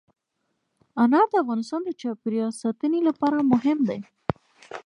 انار د افغانستان د چاپیریال ساتنې لپاره مهم دي.